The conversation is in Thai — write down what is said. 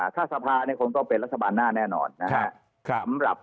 ถ้าสภาเนี่ยคงต้องเป็นรัฐบาลหน้าแน่นอนนะครับ